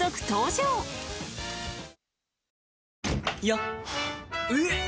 よっ！